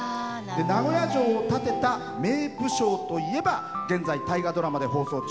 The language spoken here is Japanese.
名古屋城を建てた名武将といえば現在、大河ドラマで放送中